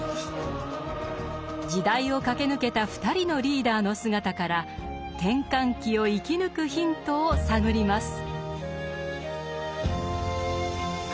時代を駆け抜けた２人のリーダーの姿から転換期を生き抜くヒントを探ります。